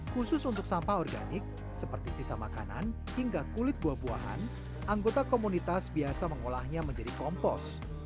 khusus untuk sampah organik seperti sisa makanan hingga kulit buah buahan anggota komunitas biasa mengolahnya menjadi kompos